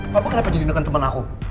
papa kenapa jadi neken temen aku